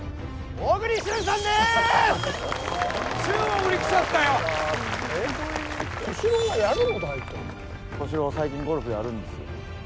小四郎は最近ゴルフやるんですよ。